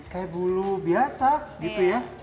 kayak bulu biasa gitu ya